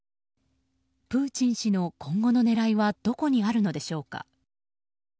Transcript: プーチン氏の今後の狙いはどこにあるのでしょうか。